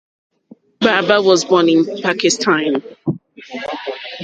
Babar was born in Pakistan.